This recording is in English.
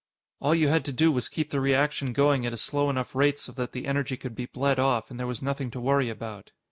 All you had to do was keep the reaction going at a slow enough rate so that the energy could be bled off, and there was nothing to worry about.